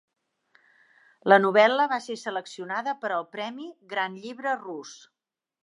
La novel·la va ser seleccionada per al Premi Gran Llibre Rus.